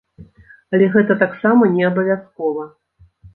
Але гэта таксама не абавязкова.